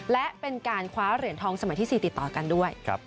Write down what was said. และเป็นการคว้าเหรียญทองสมัยที่๔ติดต่อกันด้วย